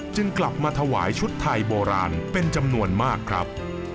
กลับมาถวายชุดไทยโบราณเป็นจำนวนมากครับ